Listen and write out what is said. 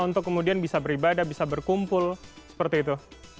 untuk kemudian bisa beribadah bisa berkumpul seperti itu